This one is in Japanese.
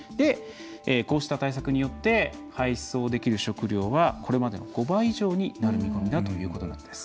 こうした対策によって配送できる食料はこれまでの５倍以上になる見込みだということなんです。